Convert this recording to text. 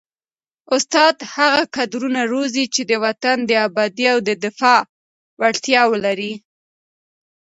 استاد هغه کدرونه روزي چي د وطن د ابادۍ او دفاع وړتیا ولري.